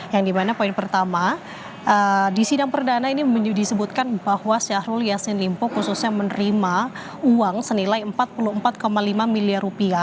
yang dimana poin pertama di sidang perdana ini disebutkan bahwa syahrul yassin limpo khususnya menerima uang senilai rp empat puluh empat lima miliar